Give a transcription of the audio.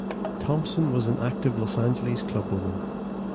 Thompson was an active Los Angeles clubwoman.